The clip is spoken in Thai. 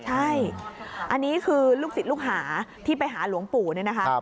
ใช่อันนี้คือลูกศิษย์ลูกหาที่ไปหาหลวงปู่เนี่ยนะคะ